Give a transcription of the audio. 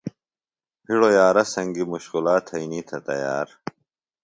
ہِڑوۡ یارہ سنگیۡ مشقولا تھئنی تھے تیار۔